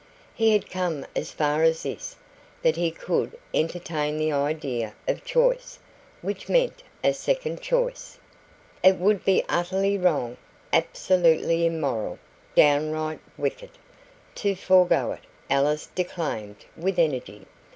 He had come as far as this that he could entertain the idea of choice, which meant a second choice. "It would be utterly wrong, absolutely immoral, downright wicked, to forego it," Alice declaimed, with energy.